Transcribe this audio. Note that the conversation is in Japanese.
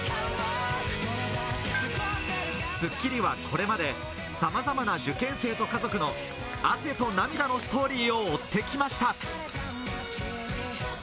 『スッキリ』はこれまで、さまざまな受験生と家族の汗と涙のストーリーを追ってきました。